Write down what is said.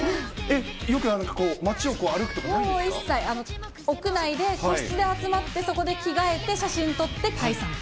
よくなんか、街を歩くもう一切、屋内で個室で集まって、そこで着替えて、写真撮って解散。